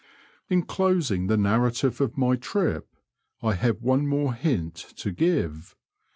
In closing the narrative of my trip, I have one more hint to give.